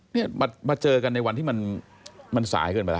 เนี่ยมาเจอกันในวันที่มันสายเกินไปแล้ว